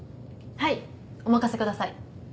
はいお任せください。